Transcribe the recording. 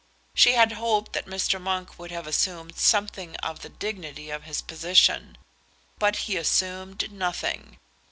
She had hoped that Mr. Monk would have assumed something of the dignity of his position; but he assumed nothing.